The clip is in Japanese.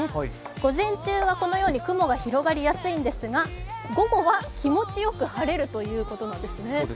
午前中はこのように雲が広がりやすいんですが午後は気持ちよく晴れるということなんですね